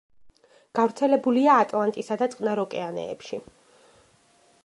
გავრცელებულია ატლანტისა და წყნარ ოკეანეებში.